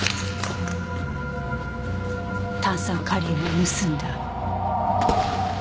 炭酸カリウムを盗んだ。